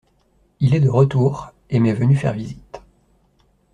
Il est de retour et m'est venu faire visite.